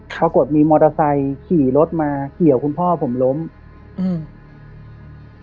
ปรากฏมีมอเตอร์ไซค์ขี่รถมาเกี่ยวคุณพ่อผมล้มอืม